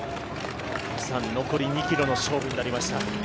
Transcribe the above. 残り２ｋｍの勝負になりました